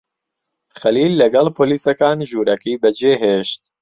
خەلیل لەگەڵ پۆلیسەکان ژوورەکەی بەجێهێشت.